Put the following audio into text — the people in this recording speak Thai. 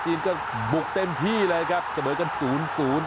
ก็บุกเต็มที่เลยครับเสมอกันศูนย์ศูนย์